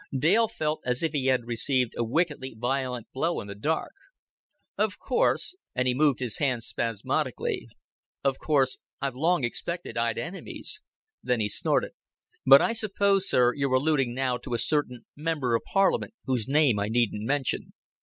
Dale felt as if he had received a wickedly violent blow in the dark. "Of course," and he moved his hands spasmodically "Of course I've long expected I'd enemies." Then he snorted. "But I suppose, sir, you're alluding now to a certain Member of Parliament whose name I needn't mention."